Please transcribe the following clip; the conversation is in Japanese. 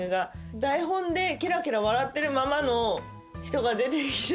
台本でケラケラ笑ってるままの人が出て来て。